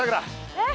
えっ？